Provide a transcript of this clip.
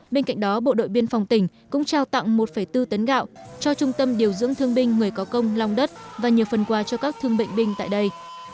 bên cạnh đó bộ đội biên phòng tỉnh cũng trao tặng một bốn tấn gạo cho trung tâm điều dưỡng thương binh người có công long đất và nhiều phần quà cho các thương bệnh binh tại đây